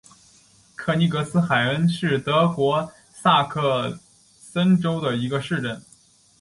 克尼格斯海恩是德国萨克森州的一个市镇。